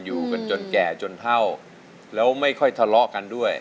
อยู่กันจนแก่จนเท่าแล้วไม่ค่อยทะเลาะกันด้วย